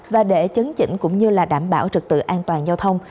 và để chấn chỉnh cũng như là đảm bảo trực tự an toàn giao thông